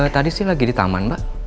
tadi sih lagi di taman mbak